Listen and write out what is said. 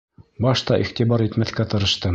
Башта иғтибар итмәҫкә тырыштым.